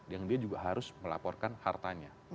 yang dia juga harus melaporkan hartanya